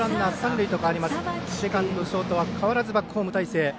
セカンド、ショートは変わらずバックホーム態勢。